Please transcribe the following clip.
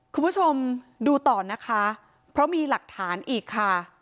คุณผู้ชมดูต่อนะคะเพราะมีหลักฐานอีกค่ะ